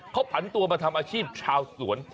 เขาผันตัวมาทำอาชีพชาวสวน